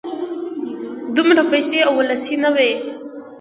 دومره پیسې او وسلې نه وې.